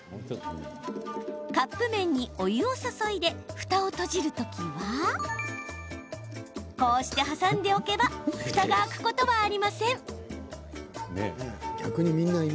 カップ麺に、お湯を注いでふたを閉じるときはこうして挟んでおけばふたが開くことはありません。